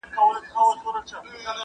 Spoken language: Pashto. حیات الله خپل لمسی ډېر زیات خوښوي.